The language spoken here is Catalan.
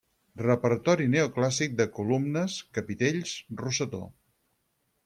Repertori neoclàssic de columnes, capitells, rosetó.